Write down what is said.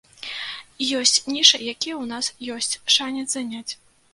Ёсць нішы, якія ў нас ёсць шанец заняць.